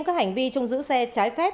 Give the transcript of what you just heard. các hành vi trong giữ xe trái phép